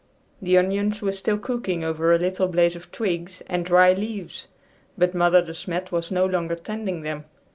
The onions were still cooking over a little blaze of twigs aid dry leaves, but Mother De Smet was no longer tending them.